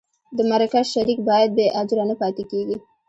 د مرکه شریک باید بې اجره نه پاتې کېږي.